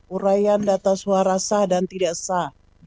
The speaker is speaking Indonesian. uraian data suara sah dan tidak sah